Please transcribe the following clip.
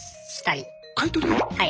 はい。